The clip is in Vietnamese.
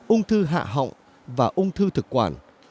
ung thư hạ họng và ung thư thực quản